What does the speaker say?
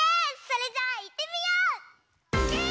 それじゃあいってみよう！